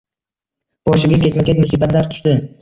Boshiga ketma-ket musibatlar tushdi